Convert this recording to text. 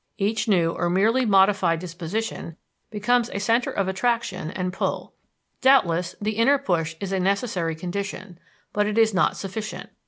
Each new or merely modified disposition becomes a center of attraction and pull. Doubtless the inner push is a necessary condition, but it is not sufficient.